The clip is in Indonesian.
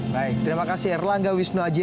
baik terima kasih erlangga wisnu aji